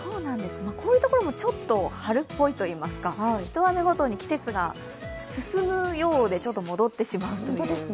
こういうところもちょっと春っぽいといいますか、一雨ごとに季節が進むようでちょっと戻ってしまうという。